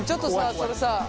それさ